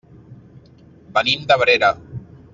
Venim d'Abrera.